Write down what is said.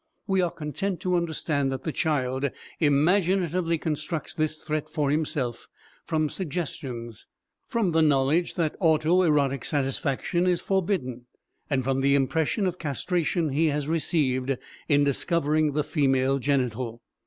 We are content to understand that the child imaginatively constructs this threat for himself from suggestions, from the knowledge that auto erotic satisfaction is forbidden, and from the impression of castration he has received in discovering the female genital.